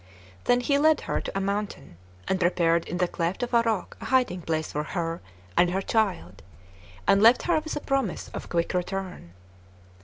Then he led her to a mountain, and prepared in the cleft of a rock a hiding place for her and her child, and left her with a promise of quick return.